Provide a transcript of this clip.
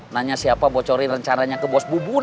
nanya siapa bocorin rencananya ke bos bubur